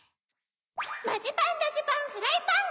マジパンドジパンフライパン。